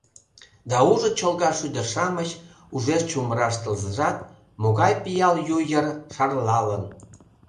Да ужыт Чолга шӱдыр-шамыч, Ужеш чумыраш тылзыжат, Могай пиал ю йыр шарлалын.